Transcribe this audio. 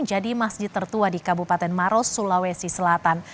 jadi masjid tertua di kabupaten maros sulawesi selatan